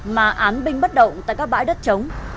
mà án binh bất động tại các bãi đất chống